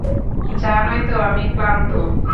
জানোই তো, আমি ক্লান্ত।